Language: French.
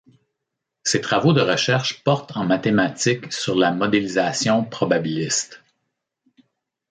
Ses travaux de recherches portent en mathématiques sur la modélisation probabiliste.